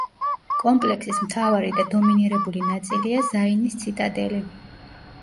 კომპლექსის მთავარი და დომინირებული ნაწილია ზაინის ციტადელი.